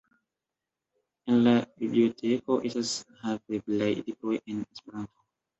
En la biblioteko estas haveblaj libroj en Esperanto.